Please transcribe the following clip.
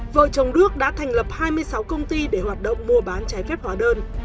vợ chồng đước đã thành lập hai mươi sáu công ty để hoạt động mua bán trái phép hóa đơn